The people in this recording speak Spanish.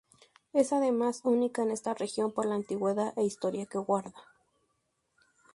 Es además única en esta región por la antigüedad e historia que guarda.